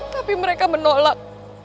tapi mereka menolak